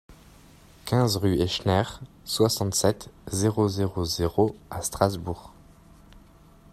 quinze rue Hechner, soixante-sept, zéro zéro zéro à Strasbourg